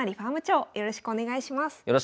よろしくお願いします。